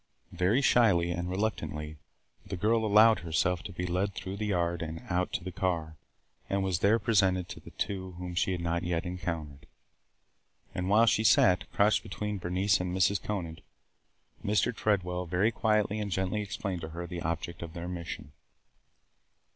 Very shyly and reluctantly the girl allowed herself to be led through the yard and out to the car and was there presented to the two whom she had not yet encountered. And while she sat, crouched between Bernice and Mrs. Conant, Mr. Tredwell very quietly and gently explained to her the object of their mission.